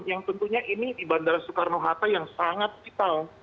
yang tentunya ini di bandara soekarno hatta yang sangat vital